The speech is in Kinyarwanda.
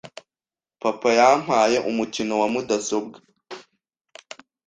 Papa yampaye umukino wa mudasobwa .